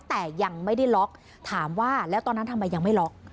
แต่ยังไม่ได้ล็อกถามว่าแล้วตอนนั้นทำไมยังไม่ล็อก